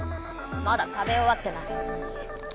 まだ食べおわってない。